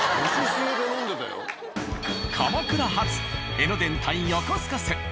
鎌倉発江ノ電対横須賀線。